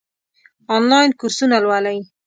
آنلاین کورسونه لولئ؟